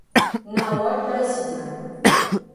Não olhe para cima